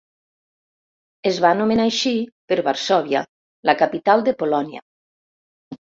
Es va anomenar així per Varsòvia, la capital de Polònia.